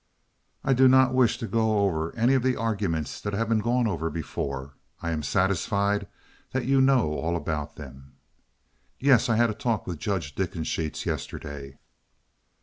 I do not wish to go over any of the arguments that have been gone over before. I am satisfied that you know all about them." "Yes, I had a talk with Judge Dickensheets yesterday."